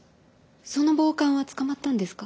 その暴漢は捕まったんですか？